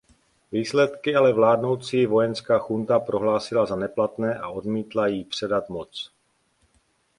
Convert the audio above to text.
Výsledky ale vládnoucí vojenská junta prohlásila za neplatné a odmítla jí předat moc.